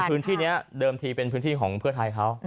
ปืนที่เดิมทีนี้เป็นของเพื่อไทยครัว